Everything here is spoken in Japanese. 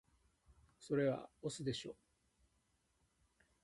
それは押忍でしょ